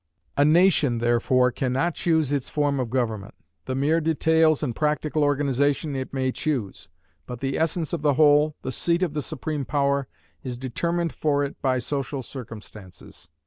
A nation, therefore, can not choose its form of government. The mere details, and practical organization, it may choose; but the essence of the whole, the seat of the supreme power, is determined for it by social circumstances.